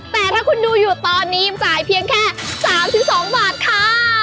แต่ถ้าคุณดูอยู่ตอนนี้จ่ายเพียงแค่๓๒บาทค่ะ